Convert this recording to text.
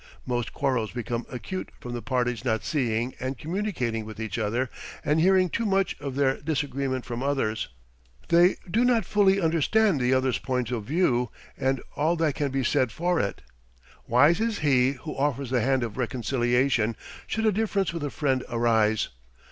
Most quarrels become acute from the parties not seeing and communicating with each other and hearing too much of their disagreement from others. They do not fully understand the other's point of view and all that can be said for it. Wise is he who offers the hand of reconciliation should a difference with a friend arise.